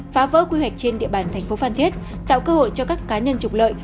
phá vỡ quy hoạch trên địa bàn thành phố phan thiết tạo cơ hội cho các cá nhân trục lợi